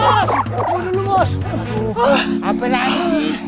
mas mau dulu mas